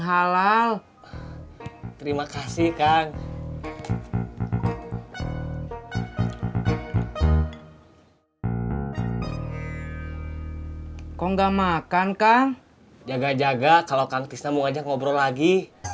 halal terima kasih kang kok enggak makan kang jaga jaga kalau kang tista mau ajak ngobrol lagi